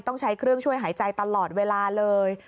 ต้องใช้เครื่องช่วยหายใจตลอดเวลาเลย